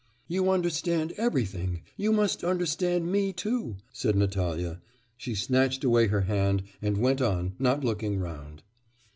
'You understand everything, you must understand me too!' said Natalya; she snatched away her hand and went on, not looking round.